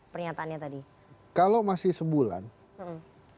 pernyataannya tadi kalau masih sebulan ini kita mungkin akan menunggu beberapa pernyataannya